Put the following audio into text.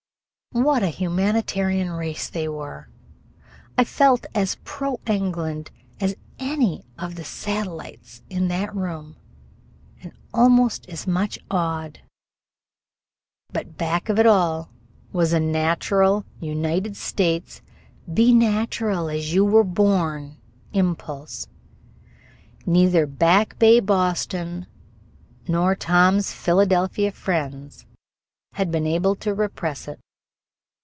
What a humanitarian race they were! I felt as pro England as any of the satellites in that room, and almost as much awed. But back of it all was a natural United States be natural as you were born impulse. Neither Back Bay Boston nor Tom's Philadelphia friends had been able to repress it.